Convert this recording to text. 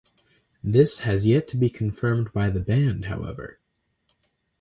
This has yet to be confirmed by the band, however.